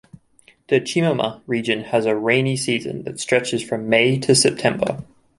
The Chemama region has a rainy season that stretches from May to September.